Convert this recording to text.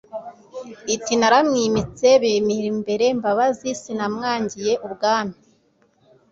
Iti: naramwimitse Bimira-mbere Mbabazi sinamwangiye ubwami.